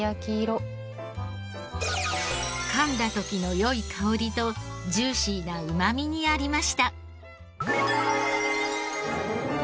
噛んだ時の良い薫りとジューシーなうまみにありました。